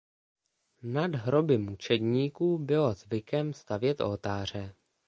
Nad hroby mučedníků bylo zvykem stavět oltáře.